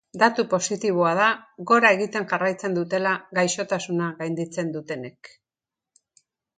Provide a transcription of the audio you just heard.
Datu positiboa da gora egiten jarraitzen dutela gaixotasuna gainditzen dutenek.